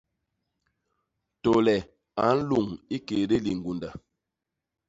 Tôle a nluñ ikédé liñgunda.